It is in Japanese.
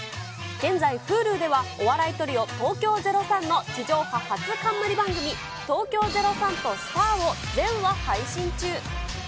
現在、Ｈｕｌｕではお笑いトリオ、東京０３の地上波初冠番組、東京０３とスタアを全話配信中。